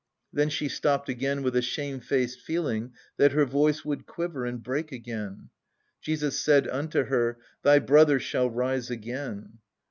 Then she stopped again with a shamefaced feeling that her voice would quiver and break again. "Jesus said unto her, thy brother shall rise again.